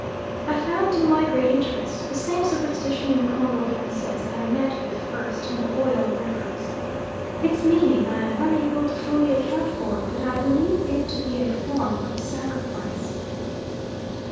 I found to my great interest the same superstition in Congo Francais that I met with first in the Oil Rivers. Its meaning I am unable to fully account for, but I believe it to be a form of sacrifice.